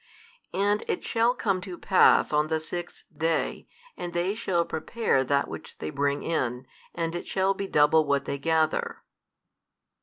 And it shall come to pass, on the sixth day, and they shall prepare that which they bring in, and it shall be double what they gather.